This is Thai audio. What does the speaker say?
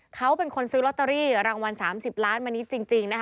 เขาเป็นคนซื้อลอตเตอรี่รางวัล๓๐ล้านมานิดจริงนะคะ